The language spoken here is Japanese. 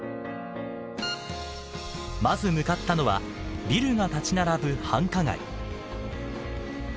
まず向かったのはビルが立ち並ぶ繁華街。